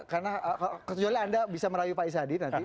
karena kecuali anda bisa merayu pak isadi nanti